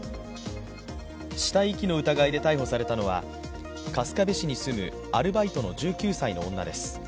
死体遺棄の疑いで逮捕されたのは春日部市に住むアルバイトの１９歳の女です。